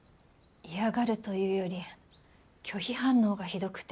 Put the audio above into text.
嫌がるというより拒否反応がひどくて。